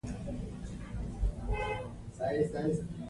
افغان حکومت باید د ولس اړتیاوو ته ځواب ووایي او شفافیت تضمین کړي